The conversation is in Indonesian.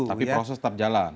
tapi proses tetap jalan